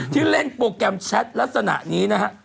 ที่เล่นโปรแกรมแชทลักษณะนี้นะฮะ